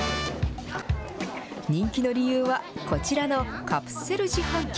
人気の理由は、こちらのカプセル自販機。